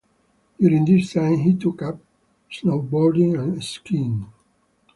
During this time he took up snowboarding and skiing.